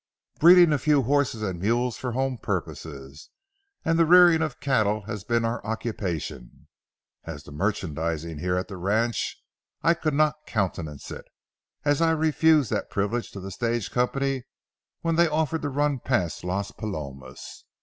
Breeding a few horses and mules for home purposes, and the rearing of cattle has been our occupation. As to merchandising here at the ranch, I could not countenance it, as I refused that privilege to the stage company when they offered to run past Las Palomas.